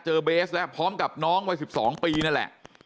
เบสแล้วพร้อมกับน้องวัย๑๒ปีนั่นแหละ